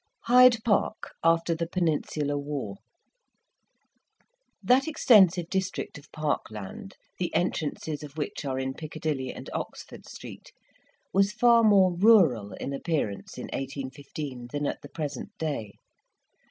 HYDE PARK AFTER THE PENINSULAR WAR That extensive district of park land, the entrances of which are in Piccadilly and Oxford Street, was far more rural in appearance in 1815 than at the present day.